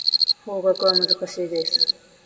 法学は難しいです。